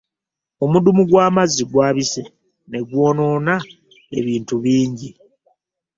Omudumu gw'amazzi gwabise ne gonoona ebintu bingi.